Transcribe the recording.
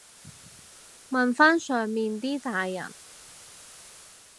問返上面啲大人